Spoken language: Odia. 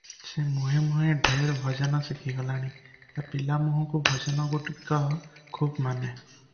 ସେ ମୁହେଁ ମୁହେଁ ଢେର ଭଜନ ଶିଖିଗଲାଣି, ତା ପିଲା ମୁହଁକୁ ଭଜନଗୁଡ଼ିକ ଖୁବ୍ ମାନେ।